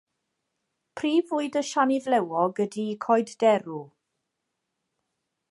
Prif fwyd y siani flewog ydy coed derw.